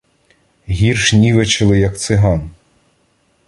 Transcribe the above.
Гірш нівечили, як циган.